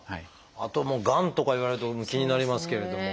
あとがんとか言われると気になりますけれども。